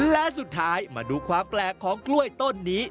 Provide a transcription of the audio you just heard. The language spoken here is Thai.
และสุดท้ายมาดูความแปลกของกล้วยต้นนี้